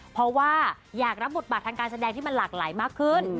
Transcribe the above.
เพราะว่าอยากรับบทบาททางการแสดงที่มันหลากหลายมากขึ้น